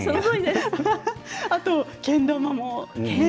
あと、けん玉も。